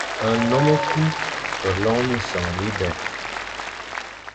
Nnôm e ku ke lon minseñ mibè.